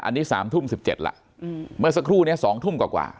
อันนี้สามทุ่มสิบเจ็ดละอืมเมื่อสักครู่เนี้ยสองทุ่มกว่ากว่า